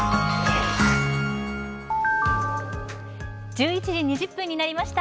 １１時２０分になりました。